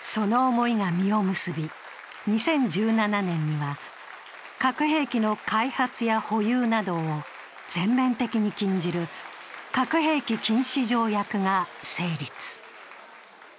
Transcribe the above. その思いが実を結び２０１７年には核兵器の開発や保有などを全面的に禁じる核兵器禁止条約が成立。